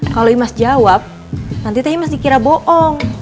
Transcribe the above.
kalau imas jawab nanti teh imas dikira bohong